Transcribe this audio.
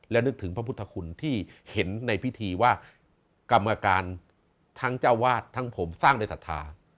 และนึกถึงพระพุทธคุณที่เห็นในพิธีว่ากรรมการทั้งเจ้าวาดทั้งผมสร้างโดยศรัทธา